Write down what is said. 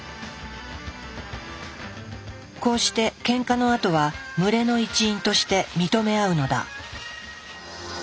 こうしてケンカのあとは群れの一員として認め合うのだ。